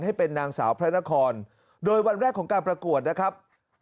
ให้เป็นนางสาวพระนครโดยวันแรกของการประกวดนะครับ